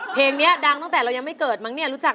เพลงนี้ดังตั้งแต่เรายังไม่เกิดมั้งเนี่ยรู้จัก